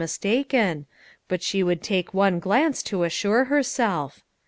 mistaken, but she would take one glance to assure herself.